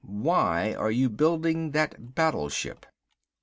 Why are you building that battleship?"